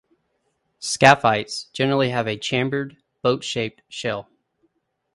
"Scaphites" generally have a chambered, boat-shaped shell.